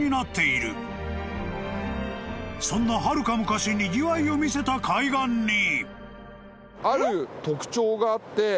［そんなはるか昔にぎわいを見せた海岸に］